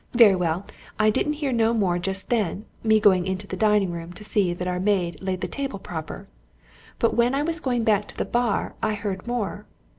Very well I didn't hear no more just then, me going into the dining room to see that our maid laid the table proper. But when I was going back to the bar, I heard more.